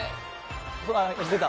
出た。